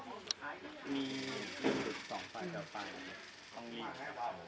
ก็จะมีความสุขกับพวกเรา